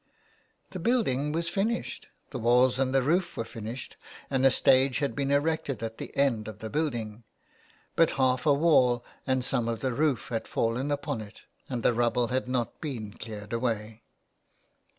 The building was finished ! The walls and the roof were finished, and a stage had been erected at the end of the building. But half a wall and some of the roof had fallen upon it, and the rubble had not been cleared away.